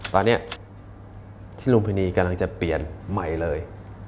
ตอนนี้ที่ลุมพินีกำลังจะเปลี่ยนใหม่เลย